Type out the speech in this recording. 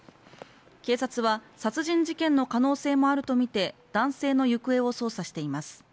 警察は殺人事件の可能性もあるとみて男性の行方を捜査しています